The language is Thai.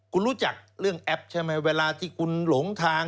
คุณรู้จักเรื่องแอปใช่ไหมเวลาที่คุณหลงทาง